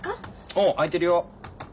おお空いてるよ。